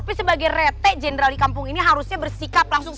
tapi sebagai retek jenderal di kampung ini harusnya bersikap langsung